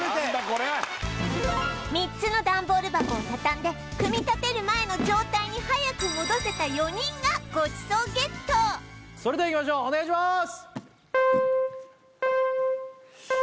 これ３つのダンボール箱を畳んで組み立てる前の状態にはやく戻せた４人がごちそうＧＥＴそれではいきましょうお願いします